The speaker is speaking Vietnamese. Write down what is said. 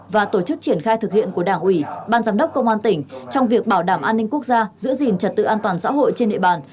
và tổ chức triển khai thực hiện của đảng ủy ban giám đốc công an tỉnh trong việc bảo đảm an ninh quốc gia giữ gìn trật tự an toàn xã hội trên địa bàn